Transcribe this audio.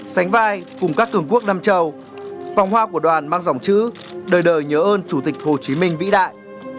sánh vai cùng các cường quốc nam châu vòng hoa của đoàn mang dòng chữ đời đời nhớ ơn chủ tịch hồ chí minh vĩ đại